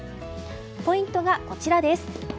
ポイントがこちらです。